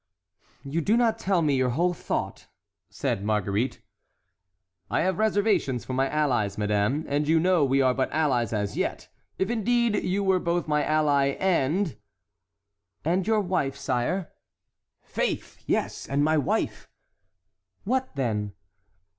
"You do not tell me your whole thought," said Marguerite. "I have reservations for my allies, madame; and you know we are but allies as yet; if indeed you were both my ally—and"— "And your wife, sire?" "Faith! yes, and my wife"— "What then?"